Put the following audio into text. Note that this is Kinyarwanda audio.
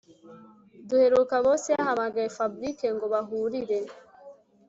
Duheruka boss yahamagaye Fabric ngo bahurire